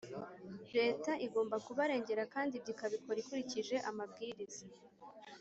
Leta igomba kubarengera, kandi ibyo ikabikora ikurikije amabwiriza